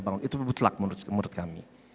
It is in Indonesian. membangun itu butlak menurut kami